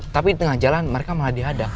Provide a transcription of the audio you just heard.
tapi di tengah jalan mereka malah dihadap